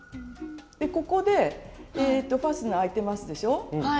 ここでファスナー開いてますでしょ。